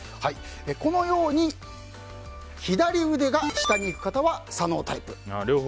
このように左腕が下にいく方は左脳タイプ。